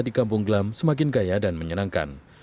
di kampung glam semakin kaya dan menyenangkan